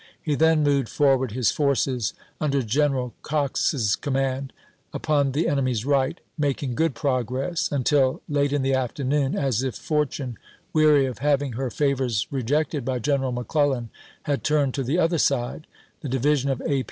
He then moved for ward his forces, under General Cox's command, upon the enemy's right, making good progress, until, late in ANTIETAM 141 the afternoon, as if Fortune, weary of having her chap. vii. favors rejected by General McClellan, had turned to the other side, the division of A.